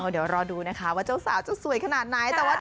เดี๋ยวรอดูนะคะว่าเจ้าสาวจะสวยขนาดไหน